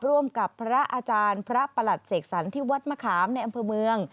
ร่วมกับพระอาจารย์พระประหลัดเสกสรรที่วัดมะขามในอำเภอเมือง